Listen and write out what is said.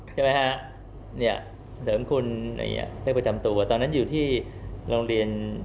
เสริมคุณเลขประจำตัวตอนนั้นอยู่ที่โรงเรียน